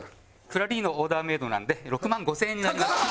クラリーノのオーダーメイドなので６万５０００円になります。